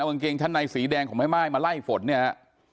กางเกงชั้นในสีแดงของแม่ม่ายมาไล่ฝนเนี่ยฮะ